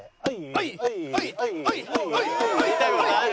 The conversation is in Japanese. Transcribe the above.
はい！